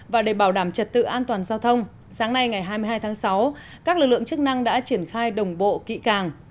và để bảo đảm trật tự an toàn giao thông sáng nay ngày hai mươi hai tháng sáu các lực lượng chức năng đã triển khai đồng bộ kỹ càng